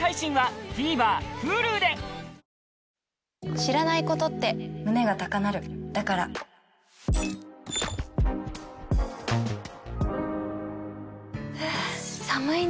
知らないことって胸が高鳴るだから寒いね。